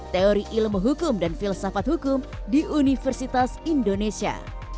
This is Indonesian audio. teori ilmu hukum dan filsafat hukum di universitas indonesia